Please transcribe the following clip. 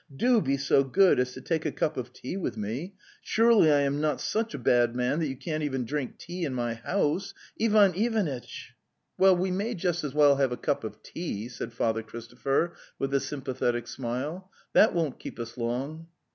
Do be so good as to take a cup of tea with me. Surely I am not such a bad man that you can't even drink tea in my house? Ivan Ivanitch! "'!»' oz The Tales of Chekhov 'Well, we may just as well have a cup of tea," said Father Christopher, with a sympathetic smile; 'that won't keep us long."